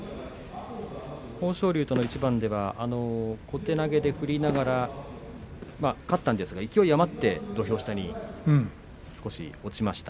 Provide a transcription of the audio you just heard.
豊昇龍との一番では小手投げで振りながら勝ったんですが勢い余って土俵下に少し落ちました。